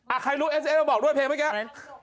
อ้าใครรู้เอสเอเซรว่าบอกด้วยไหมแก